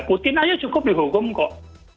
ikutin aja cukup dihukum kok